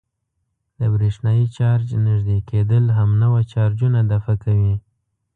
د برېښنايي چارج نژدې کېدل همنوع چارجونه دفع کوي.